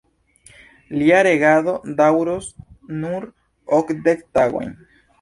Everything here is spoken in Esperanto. Lia regado daŭros nur okdek tagojn.